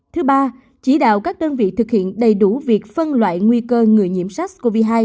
thứ ba chỉ đạo các đơn vị thực hiện đầy đủ việc phân loại nguy cơ người nhiễm sars cov hai